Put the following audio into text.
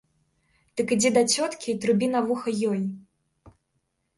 Так ідзі да цёткі і трубі на вуха ёй.